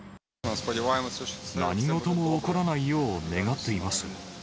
何事も起こらないよう願っています。